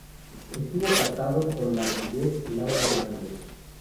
Estuvo casado con la vedette Laura Hernández.